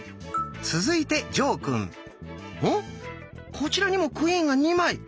こちらにも「クイーン」が２枚。